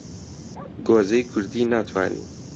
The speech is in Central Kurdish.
گۆزەی کوردی ناتوانی